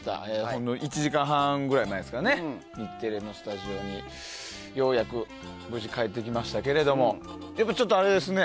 ほんの１時間半ぐらい前ですかね日テレのスタジオにようやく無事、帰ってきましたけれどもやっぱりちょっとあれですね。